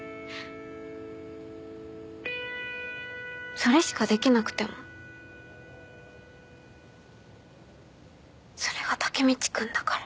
それしかできなくてもそれがタケミチ君だから。